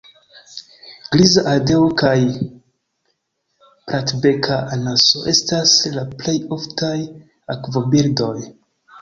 Griza ardeo kaj platbeka anaso estas la plej oftaj akvobirdoj.